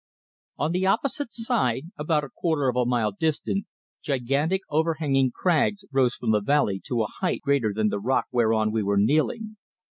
On the opposite side, about a quarter of a mile distant, gigantic overhanging crags rose from the valley to a height greater than the rock whereon we were kneeling.